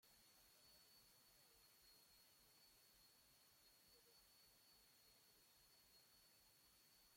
Otras comunidades, por su parte, no tuvieron derecho a este reconocimiento.